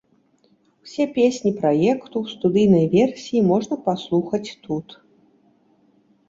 Усе песні праекту ў студыйнай версіі можна паслухаць тут.